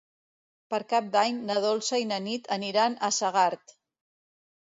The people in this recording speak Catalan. Per Cap d'Any na Dolça i na Nit aniran a Segart.